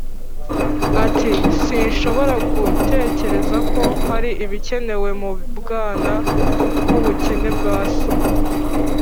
ati: “sinshobora gutekereza ko hari ibikenewe mu bwana nk’ubukene bwa se.